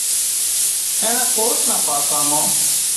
اينڻا ڪوٽ نا پاسا مان